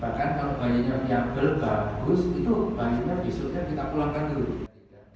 bahkan kalau bayinya diambil bagus itu bayinya disuruhnya kita pulangkan dulu